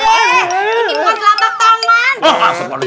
ini buat lapar tolong